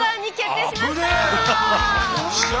よっしゃ！